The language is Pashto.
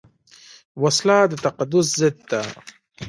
وسله د تقدس ضد ده